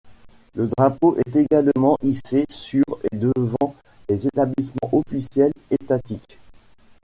Le drapeau est également hissé sur et devant les établissements officiels étatiques.